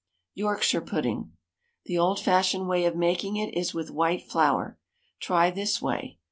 YORKSHIRE PUDDING. The old fashioned way of making it is with white flour. Try this way.